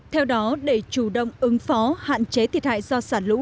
theo đó để chủ động ứng phó hạn chế thiệt hại do sản lũ